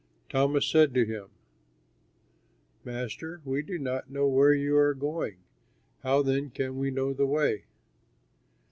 Thomas said to him, "Master, we do not know where you are going; how then can we know the way?"